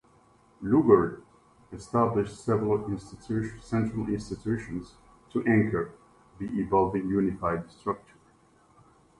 Lugard established several central institutions to anchor the evolving unified structure.